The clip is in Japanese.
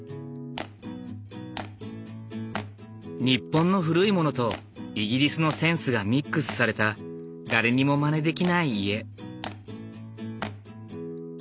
日本の古いものとイギリスのセンスがミックスされた誰にもまねできない家。